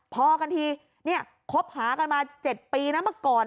พอกันทีเนี่ยคบหากันมา๗ปีนะเมื่อก่อน